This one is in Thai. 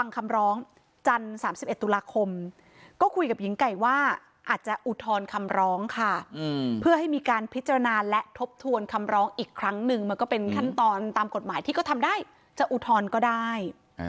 ก็คุยกับหญิงไก่ว่าอาจจะอุทรคำร้องค่ะเพื่อให้มีการพิจารณาและทบทวนคำร้องอีกครั้งนึงมันก็เป็นขั้นตอนตามกฎหมายที่ก็ทำได้จะอุทรก็ได้